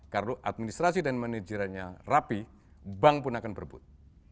karena administrasi dan manajerialnya rapi bank pun akan berbut